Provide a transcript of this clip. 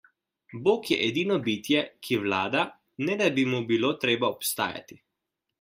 Bog je edino bitje, ki vlada, ne da bi mu bilo treba obstajati.